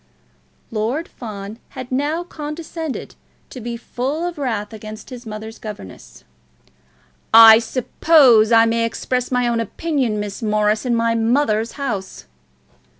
Lord Fawn had now condescended to be full of wrath against his mother's governess. "I suppose I may express my own opinion, Miss Morris, in my mother's house."